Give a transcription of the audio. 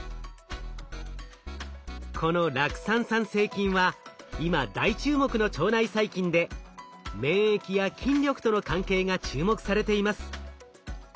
この酪酸産生菌は今大注目の腸内細菌で免疫や筋力との関係が注目されています。